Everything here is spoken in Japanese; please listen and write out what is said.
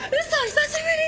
久しぶり！